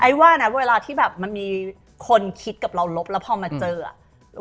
ว่านะเวลาที่แบบมันมีคนคิดกับเราลบแล้วพอมาเจออ่ะ